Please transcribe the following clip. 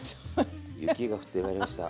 雪が降ってまいりました。